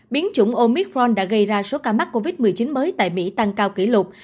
biến chủng omitron đã gây ra số ca mắc covid một mươi chín mới tại mỹ tăng cao kỷ lục